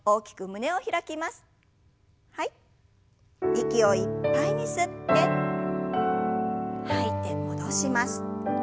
息をいっぱいに吸って吐いて戻します。